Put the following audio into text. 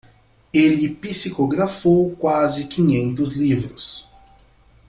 Ele psicografou quase quinhentos livros.